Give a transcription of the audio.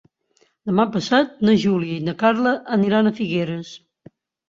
Demà passat na Júlia i na Carla aniran a Figueres.